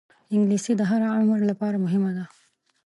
انګلیسي د هر عمر لپاره مهمه ده